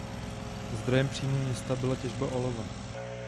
Zdrojem příjmů města byla těžba olova.